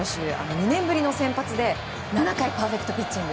２年ぶりの先発で７回パーフェクトピッチング。